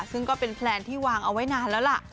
ซึ่งก็เป็นแพลนที่วางเอาไว้นานแล้วล่ะ